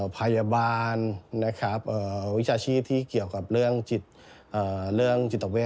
พยาบาลนะครับวิชาชีพที่เกี่ยวกับเรื่องจิตเวท